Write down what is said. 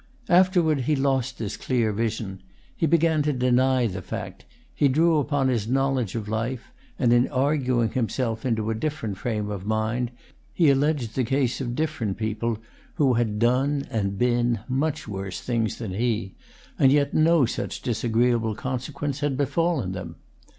Afterward he lost this clear vision; he began to deny the fact; he drew upon his knowledge of life, and in arguing himself into a different frame of mind he alleged the case of different people who had done and been much worse things than he, and yet no such disagreeable consequence had befallen them.